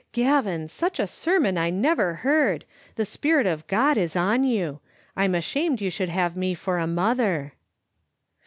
" Gavin, such a sermon I never heard. The spirit of God is on you. I'm ashamed you should have me for a mother."